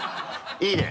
いいね！